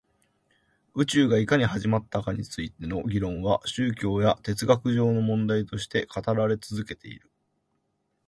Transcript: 宇宙がいかに始まったかについての議論は宗教や哲学上の問題として語られて続けている